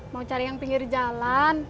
mau cari yang pinggir jalan